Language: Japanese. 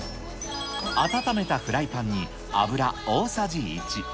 温めたフライパンに油大さじ１。